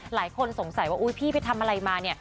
หลายคนสงสัยว่าอุ๊ยพี่ไปทำอะไรมาเนี่ย